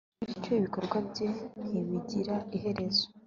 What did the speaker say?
bityo ibikorwa bye ntibigira iherezo